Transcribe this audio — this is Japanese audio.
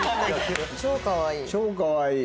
超かわいい。